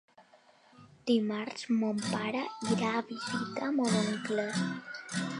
Dimarts mon pare irà a visitar mon oncle.